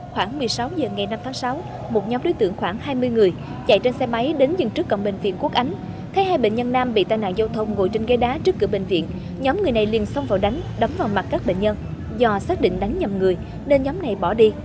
khoảng một mươi sáu h ngày năm tháng sáu một nhóm đối tượng khoảng hai mươi người chạy trên xe máy đến dừng trước cổng bệnh viện quốc ánh thấy hai bệnh nhân nam bị tai nạn giao thông ngồi trên ghé đá trước cửa bệnh viện nhóm người này liền xông vào đánh đấm vào mặt các bệnh nhân do xác định đánh nhầm người nên nhóm này bỏ đi